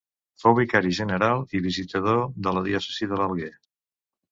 Fou vicari general i visitador de la diòcesi de l'Alguer.